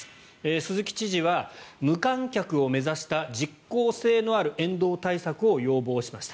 鈴木知事は無観客を目指した、実効性のある沿道対策を要望しました。